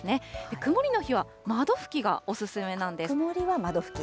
曇りの日は窓拭きがお勧めなんです。